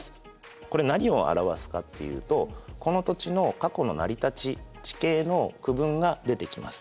これ何を表すかっていうとこの土地の過去の成り立ち地形の区分が出てきます。